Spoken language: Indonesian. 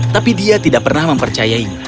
tapi dia tidak pernah mempercayainya